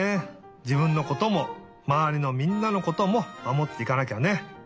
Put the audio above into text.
じぶんのこともまわりのみんなのこともまもっていかなきゃね。